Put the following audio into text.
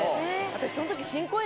私その時。